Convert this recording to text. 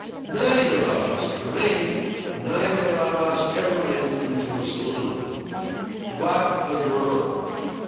Neither of us drank. Neither of us ever went into a saloon.) But the girl.